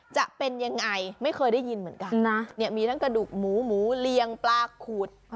จะเป็นยังไงไม่เคยได้ยินเหมือนกันนะเนี่ยมีทั้งกระดูกหมูหมูเรียงปลาขูด